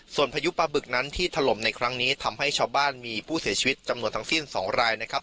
ส่วนพายุปลาบึกนั้นที่ถล่มในครั้งนี้ทำให้ชาวบ้านมีผู้เสียชีวิตจำนวนทั้งสิ้น๒รายนะครับ